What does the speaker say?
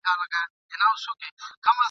تا مي له سیوري بېلولای نه سم !.